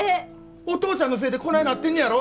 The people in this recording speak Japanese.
お父ちゃんのせえでこないなってんねやろ？